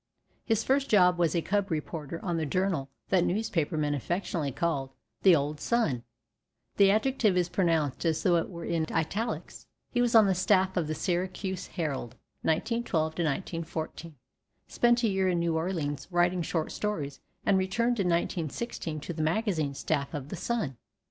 His first job was as a cub reporter on the journal that newspapermen affectionately call "the old Sun"; the adjective is pronounced as though it were in italics. He was on the staff of the Syracuse Herald, 1912 14; spent a year in New Orleans writing short stories, and returned in 1916 to the magazine staff of the Sun.